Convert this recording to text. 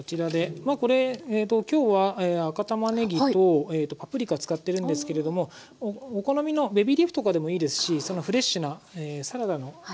まあこれ今日は赤たまねぎとパプリカ使ってるんですけれどもお好みのベビーリーフとかでもいいですしそのフレッシュなサラダのお野菜を使っても大丈夫です。